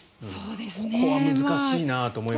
ここは難しいなと思いますね。